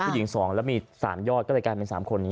ผู้หญิง๒แล้วมี๓ยอดก็เลยกลายเป็น๓คนเนี่ย